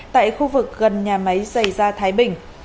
tại khu vực gần nhà máy dày da thái bình